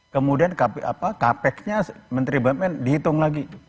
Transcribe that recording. kemudian kapeknya menteri bpn dihitung lagi